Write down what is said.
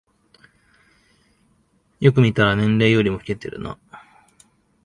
よく見たら年齢よりも老けてるな